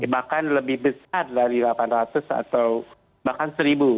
bahkan lebih besar dari delapan ratus atau bahkan seribu